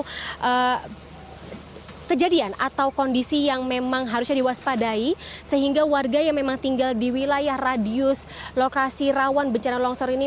jadi kejadian atau kondisi yang memang harusnya diwaspadai sehingga warga yang memang tinggal di wilayah radius lokasi rawan bencana longsor ini